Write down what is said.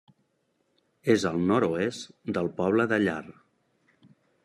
És al nord-oest del poble de Llar.